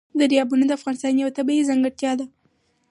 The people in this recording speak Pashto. دریابونه د افغانستان یوه طبیعي ځانګړتیا ده.